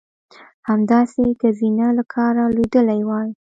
همداسې که زینه له کاره لوېدلې وای.